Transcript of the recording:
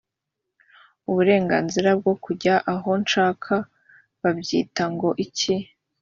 uburenganzira bwo kujya aho nshatse babyita ngo iki